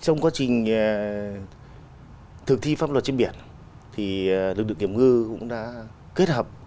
trong quá trình thực thi pháp luật trên biển thì lực lượng kiểm ngư cũng đã kết hợp